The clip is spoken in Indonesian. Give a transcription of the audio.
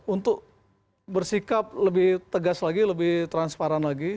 untuk bersikap lebih tegas lagi lebih transparan lagi